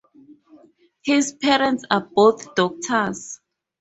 His parents are both doctors.